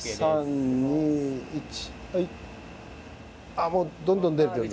あっもうどんどん出る出る。